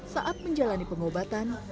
saat menjalani pengobatan